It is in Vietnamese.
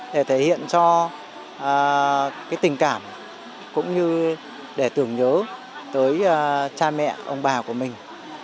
để thể hiện cho tình cảm cũng như để tưởng nhớ tới cha mẹ ông bà của mình